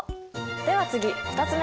では次２つ目。